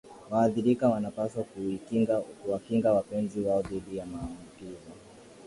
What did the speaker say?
waathirika wanapaswa kuwakinga wapenzi wao dhidi ya maambukizo